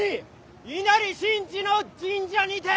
稲荷新地の神社にて！